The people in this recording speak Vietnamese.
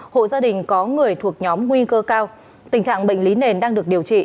hộ gia đình có người thuộc nhóm nguy cơ cao tình trạng bệnh lý nền đang được điều trị